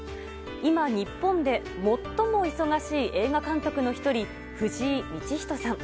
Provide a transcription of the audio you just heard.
今日本で最も忙しい映画監督の１人藤井道人さん。